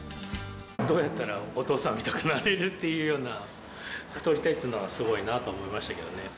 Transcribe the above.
どうやったらお父さんみたくなれる？っていうような、太りたいっていうのはすごいなって思いましたけどね。